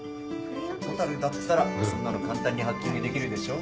・蛍だったらそんなの簡単にハッキングできるでしょ？